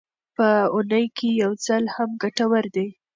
په اونۍ کې یو ځل هم ګټور دی.